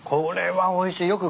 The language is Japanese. これはおいしい。